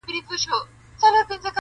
بلال په وینو رنګوي منبر په کاڼو ولي٫